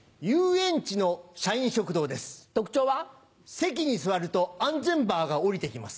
席に座ると安全バーが降りて来ます。